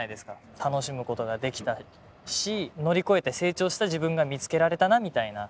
楽しむことができたし乗り越えて成長した自分が見つけられたなみたいな。